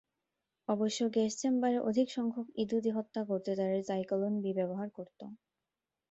অবশ্য গ্যাস চেম্বারে অধিক সংখ্যক ইহুদি হত্যা করতে তারা জাইকলন-বি ব্যবহার করত।